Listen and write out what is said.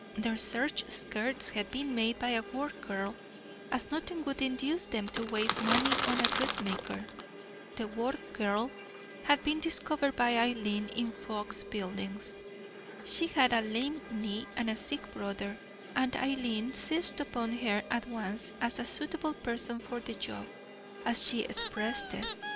Their serge skirts had been made by a work girl, as nothing would induce them to waste money on a dressmaker. The work girl had been discovered by Eileen in Fox Buildings. She had a lame knee and a sick brother, and Eileen seized upon her at once as a suitable person for the job, as she expressed it.